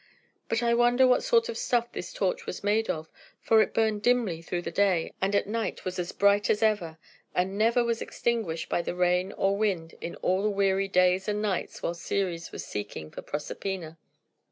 But I wonder what sort of stuff this torch was made of; for it burned dimly through the day, and, at night, was as bright as ever, and never was extinguished by the rain or wind in all the weary days and nights while Ceres was seeking for Proserpina.